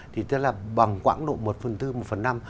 thì tức là bằng quảng độ một bốn một năm hoặc ít hơn nữa